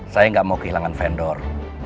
saya nggak mau kehilangan vendor